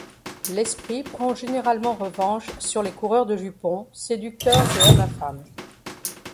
L'esprit prend généralement revanche sur les coureurs de jupons, séducteurs et hommes à femmes.